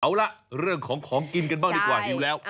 เอาล่ะเรื่องของของกินกันบ้างดีกว่าหิวแล้ว